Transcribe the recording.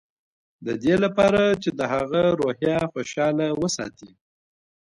د دې لپاره چې د هغه روحيه خوشحاله وساتي.